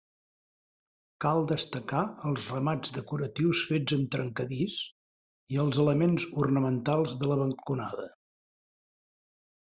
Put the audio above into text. Cal destacar els remats decoratius fets amb trencadís i els elements ornamentals de la balconada.